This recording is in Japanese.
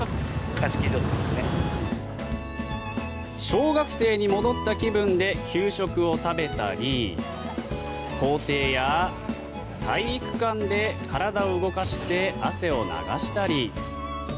小学生に戻った気分で給食を食べたり校庭や体育館で体を動かして汗を流したり。